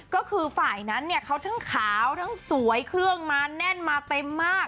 ก็คือฝ่ายนั้นเนี่ยเขาทั้งขาวทั้งสวยเครื่องมาแน่นมาเต็มมาก